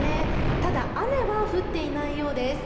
ただ雨は降っていないようです。